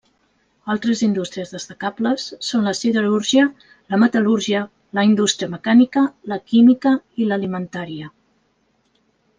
Altres indústries destacables són la siderúrgia, la metal·lúrgia, la indústria mecànica, la química i l'alimentària.